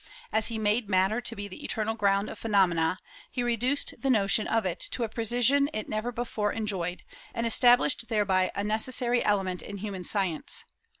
As he made matter to be the eternal ground of phenomena, he reduced the notion of it to a precision it never before enjoyed, and established thereby a necessary element in human science.